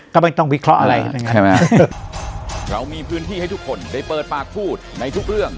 ก็ไม่ต้องวิเคราะห์อะไร